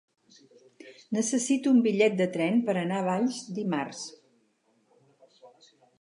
Necessito un bitllet de tren per anar a Valls dimarts.